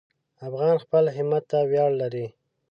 افغان خپل همت ته ویاړ لري.